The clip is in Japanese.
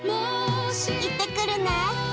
行ってくるね。